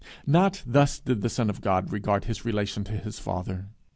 Not thus did the Son of God regard his relation to his Father.